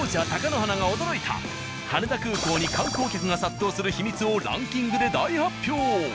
羽田空港に観光客が殺到する秘密をランキングで大発表！